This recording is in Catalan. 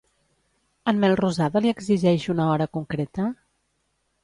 En Melrosada li exigeix una hora concreta?